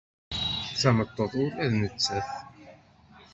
D tameṭṭut ula d nettat.